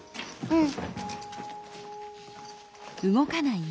うん。